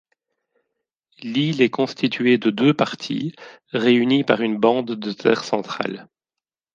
L'île est constituée de deux parties réunies par une bande de terre centrale.